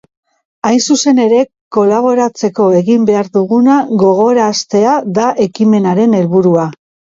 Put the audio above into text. Hain zuzen ere, kolaboratzeko egin behar duguna gogoraraztea da ekimenaren helburua.